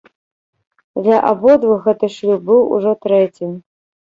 Для абодвух гэты шлюб быў ужо трэцім.